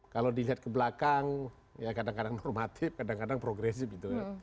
kalau dilihat ke belakang ya kadang kadang normatif kadang kadang progresif gitu ya